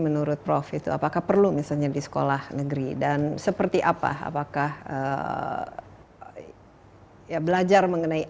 menurut prof itu apakah perlu misalnya di sekolah negeri dan seperti apa apakah ya belajar mengenai